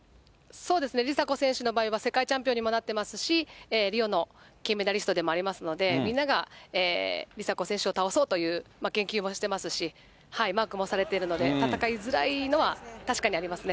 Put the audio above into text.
そうですね、梨紗子選手の場合は世界チャンピオンにもなってますし、リオの金メダリストでもありますので、みんなが梨紗子選手を倒そうという、研究もしてますし、マークもされているので、戦いづらいのは、確かにありますね。